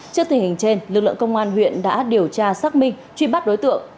trước tình hình trên lực lượng công an huyện đã điều tra xác minh truy bắt đối tượng